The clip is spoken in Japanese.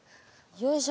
よいしょ。